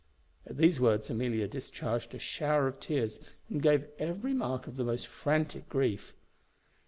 At these words Amelia discharged a shower of tears, and gave every mark of the most frantic grief.